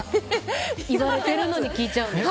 言われてるのに聞いちゃうのか。